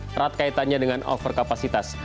terhad kaitannya dengan overkapasitas